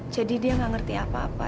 jadi dia gak ngerti apa apa